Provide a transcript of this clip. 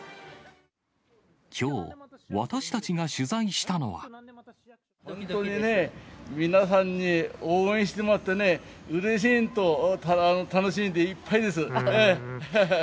きょう、本当にね、皆さんに応援してもらってね、うれしいのと楽しいのでいっぱいです。